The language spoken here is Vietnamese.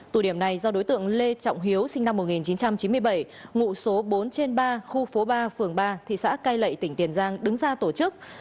tù điểm này do đối tượng lê trọng hiếu sinh năm một nghìn chín trăm chín mươi bảy ngụ số bốn trên ba khu phố ba phường ba thị xã cai lậy tỉnh tiền giang đứng ra tổ chức